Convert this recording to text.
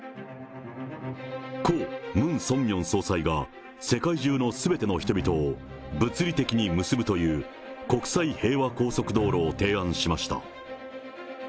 故・ムン・ソンミョン総裁が、世界中のすべての人々を、物理的に結ぶという、国際平和高速道路を提案しました。